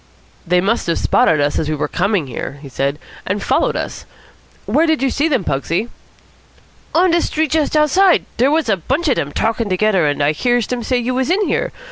"They must have spotted us as we were coming here," he said, "and followed us. Where did you see them, Pugsy?" "On de Street just outside. Dere was a bunch of dem talkin' togedder, and I hears dem say you was in here.